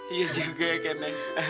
iya juga ya ken